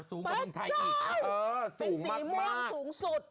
สูงมากจ๊ะในสีมวงสูงสุด